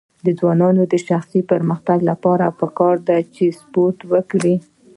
د ځوانانو د شخصي پرمختګ لپاره پکار ده چې سپورټ وکړي.